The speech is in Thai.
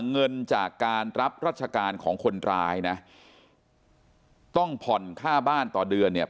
เงินจากการรับราชการของคนร้ายนะต้องผ่อนค่าบ้านต่อเดือนเนี่ย